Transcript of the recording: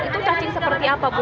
itu cacing seperti apa bu